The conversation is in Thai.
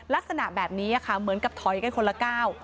ลักษณะแบบนี้ค่ะเหมือนกับถอยกันคนละก้าว